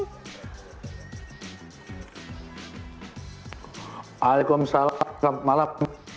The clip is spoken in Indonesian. waalaikumsalam selamat malam